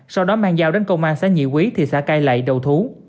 sau đó mang dao đến công an xã nhị quý thị xã cai lệ đầu thú